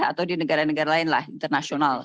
atau di negara negara lain lah internasional